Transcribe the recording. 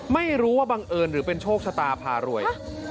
ไม่รู้ว่าบังเอิญหรือเป็นโชคชะตาพารวย